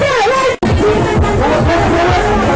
เยี่ยม